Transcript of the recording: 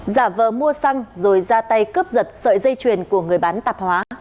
giả vờ mua xăng rồi ra tay cướp giật sợi dây chuyền của người bán tạp hóa